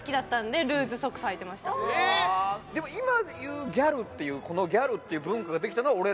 でも今で言うギャルっていうこのギャルっていう文化ができたのは俺らの世代なんで。